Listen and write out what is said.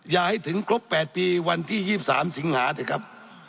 อย่าให้ถึงครบ๘ปีวันที่๒๓สิงหาเถอะครับ